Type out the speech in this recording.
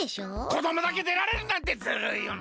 こどもだけでられるなんてずるいよな。